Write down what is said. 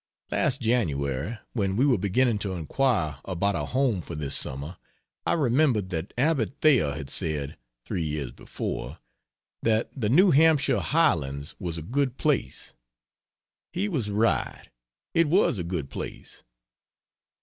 Last January, when we were beginning to inquire about a home for this summer, I remembered that Abbott Thayer had said, three years before, that the New Hampshire highlands was a good place. He was right it was a good place.